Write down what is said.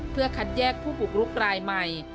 เพื่อคัดแยกผู้บุกรุกรายใหม่